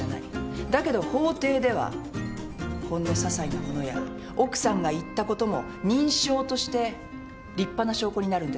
だけど法廷ではほんのささいな物や奥さんが言ったことも人証として立派な証拠になるんです。